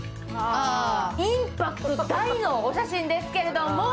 インパクト大のお写真ですけれども。